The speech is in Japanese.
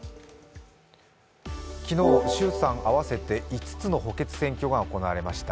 昨日、衆参合わせて５つの補欠選挙が行われました。